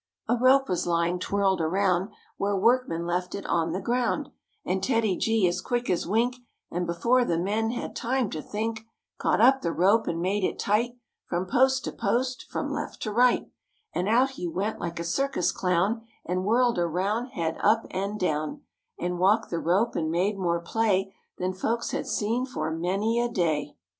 A rope was lying twirled around Where workmen left it on the ground, And TEDDY G as quick as wink And before the men had time to think THE BEARS IN PITTSBURG bfl II Caught up the rope and made it tight From post to post, from left to right, And out he went like a circus clown And whirled around, head up and down, And walked the rope and made more play Than folks had seen for many a day.